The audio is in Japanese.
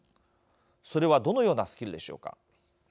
それはどのようなスキルでしょうか。